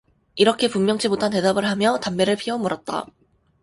이렇게 분명치 못한 대답을 하며 담배를 피워 물었다.